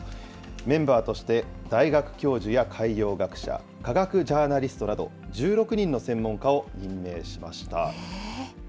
メンバーとして、大学教授や海洋学者、科学ジャーナリストなど１６人の専門家を任命しました。